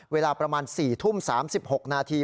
เวลาประมาณ๔ทุ่ม๓๖นาที